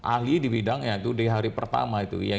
ahli di bidangnya itu di hari pertama itu